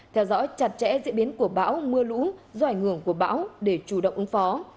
theo dõi chặt chẽ diễn biến của bão mưa lũ do ảnh hưởng của bão để chủ động ứng phó